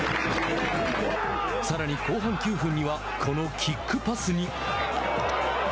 さらに、後半９分にはこのキックパスに。